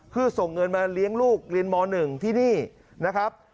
เพื่อส่งเงินมาเลี้ยงลูกเรียนม๑ที่นี่นะครับ